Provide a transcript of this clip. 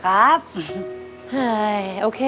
ครับโอเค